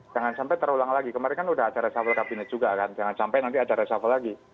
jangan sampai terulang lagi kemarin kan sudah acara shuffle kabinet juga kan jangan sampai nanti acara shuffle lagi